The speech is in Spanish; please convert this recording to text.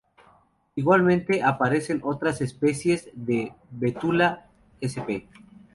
Igualmente aparecen otras especies de "Betula sp.